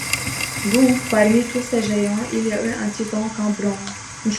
Donc, parmi tous ces géants, il y eut un titan, Cambronne.